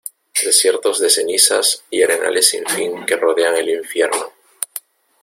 desiertos de cenizas y arenales sin fin que rodean el Infierno.